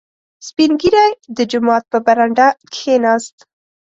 • سپین ږیری د جومات په برنډه کښېناست.